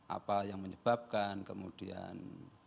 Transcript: apa yang menyebabkan kemudian